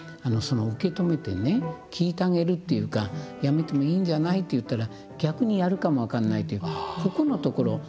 受け止めてね聞いてあげるっていうか「やめてもいいんじゃない」って言ったら逆にやるかも分かんないっていうここのところ。